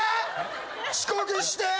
遅刻して。